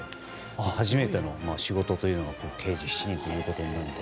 初めての仕事というのが「刑事７人」ということで。